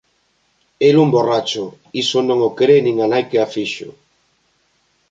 El un borracho, iso non o cre nin a nai que a fixo.